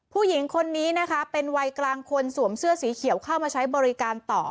ผู้หญิงคนนี้นะคะเป็นวัยกลางคนสวมเสื้อสีเขียวเข้ามาใช้บริการต่อ